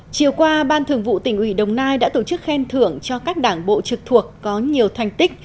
chiều qua ban thường vụ tỉnh ủy đồng nai đã tổ chức khen thưởng cho các đảng bộ trực thuộc có nhiều thành tích